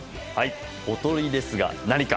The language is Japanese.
おとりですが、なにか？